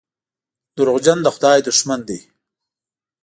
دروغجن د خدای دښمن دی.